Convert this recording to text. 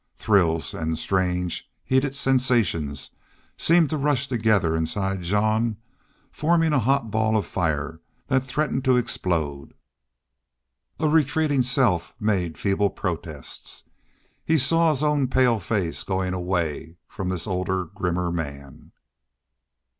Thrills and strange, heated sensations seemed to rush together inside Jean, forming a hot ball of fire that threatened to explode. A retreating self made feeble protests. He saw his own pale face going away from this older, grimmer man.